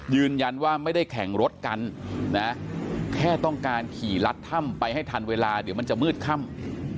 ยืนยันว่าไม่ได้แข่งรถกันนะแค่ต้องการขี่รัดถ้ำไปให้ทันเวลาเดี๋ยวมันจะมืดค่ำ